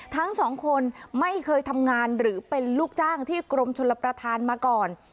ทั้งสองคนไม่เคยทำงานหรือเป็นลูกจ้างที่กรมชลประธานมาก่อน